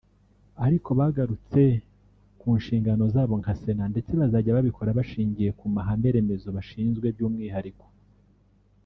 ariko bo bagarutse ku nshingano zabo nka sena ndetse bazajya babikora bashingiye ku mahame remezo bashinzwe by’umwihariko